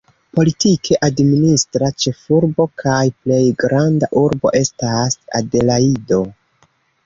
Politike administra ĉefurbo kaj plej granda urbo estas Adelajdo.